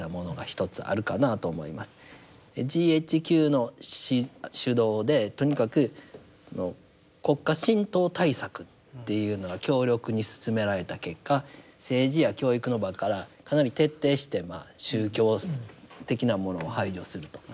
ＧＨＱの主導でとにかく国家神道対策っていうのが強力に進められた結果政治や教育の場からかなり徹底して宗教的なものを排除すると。